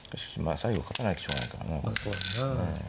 最後勝たないとしょうがないからね。